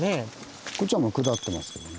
こっちは下ってますけどね。